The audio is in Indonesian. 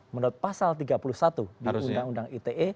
menurut pasal tiga puluh satu di undang undang ite